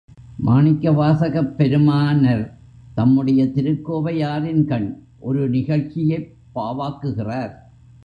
மாணிக்கவாசகப் பெருமானர் தம்முடைய திருக்கோவையா ரின் கண் ஒரு நிகழ்ச்சியைப் பாவாக்குகிறார்.